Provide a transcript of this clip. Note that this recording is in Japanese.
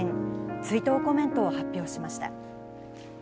追悼コメントを発表しました。